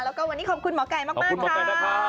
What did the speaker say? แล้วก็วันนี้ขอบคุณหมอไก่มากค่ะ